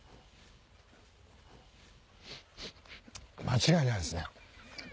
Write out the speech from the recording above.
間違いないですね。